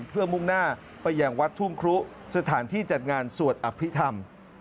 เพื่อมุ่งหน้าไปยังวัดทุ่งครุสถานที่จัดงานสวดอภิษฐรรม